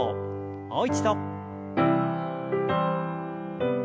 もう一度。